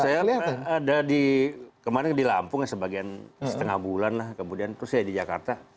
saya ada di lampung sebagian setengah bulan kemudian di jakarta